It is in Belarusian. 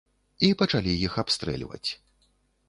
І пачалі іх абстрэльваць.